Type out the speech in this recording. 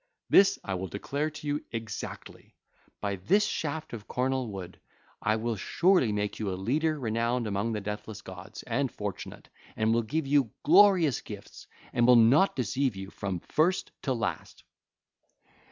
This I will declare to you exactly: by this shaft of cornel wood I will surely make you a leader renowned among the deathless gods, and fortunate, and will give you glorious gifts and will not deceive you from first to last.